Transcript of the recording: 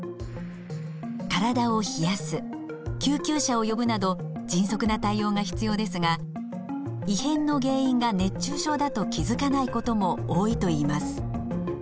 体を冷やす救急車を呼ぶなど迅速な対応が必要ですが異変の原因が熱中症だと気づかないことも多いといいます。